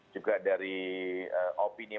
juga dari operasi